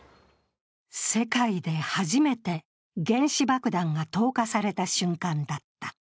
世界で初めて原子爆弾が投下された瞬間だった。